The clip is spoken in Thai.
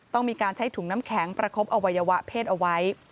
ต้องมีการใช้ถุงน้ำแข็งประคบอวัยวะเพศเอาไว้